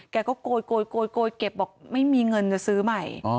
แกก็โกยเก็บบอกไม่มีเงินจะซื้อใหม่